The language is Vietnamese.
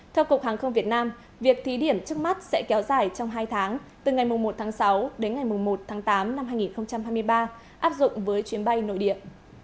theo cục hàng không việt nam việc thí điểm trước mắt sẽ kéo dài trong hai tháng từ ngày một tháng sáu đến ngày một tháng tám năm hai nghìn hai mươi ba áp dụng với chuyến bay nội địa